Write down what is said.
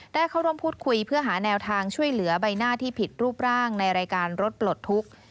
ได้เข้าร่วมพูดคุยเพื่อหาแนวทางช่วยเหลือใบหน้าที่ผิดรูปร่างในรายการรถปลดทุกข์